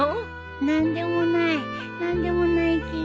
何でもない何でもないけど。